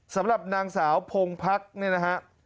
สำหรับนางสาวพงพักเนี่ยนะฮะ